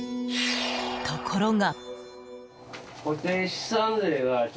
ところが。